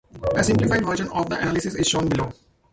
A simplified version of the analysis is shown below.